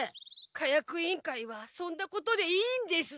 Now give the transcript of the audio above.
火薬委員会はそんなことでいいんです。